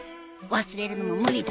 忘れるのも無理だし。